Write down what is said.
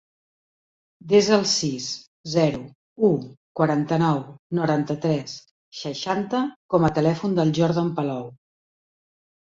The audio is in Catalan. Desa el sis, zero, u, quaranta-nou, noranta-tres, seixanta com a telèfon del Jordan Palou.